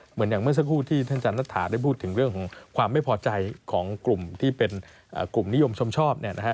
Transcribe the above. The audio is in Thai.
เหมือนอย่างเมื่อสักครู่ที่ท่านจันรัฐฐาได้พูดถึงเรื่องของความไม่พอใจของกลุ่มที่เป็นกลุ่มนิยมชมชอบเนี่ยนะฮะ